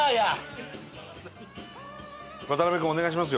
渡辺君お願いしますよ。